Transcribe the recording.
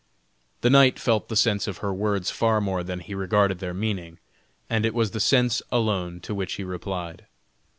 The knight felt the sense of her words far more than he regarded their meaning, and it was the sense alone to which he replied.